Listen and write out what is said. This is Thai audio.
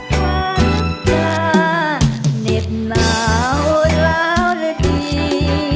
มันจะเหน็บหนาวราวนาที